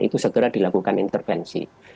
itu segera dilakukan intervensi